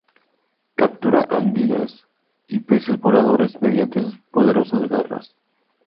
Captura anguilas y peces voladores mediante sus poderosas garras.